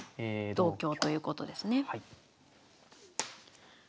同香ということですね。